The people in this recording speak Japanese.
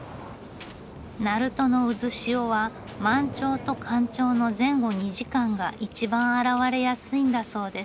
鳴門の渦潮は満潮と干潮の前後２時間が一番現れやすいんだそうです。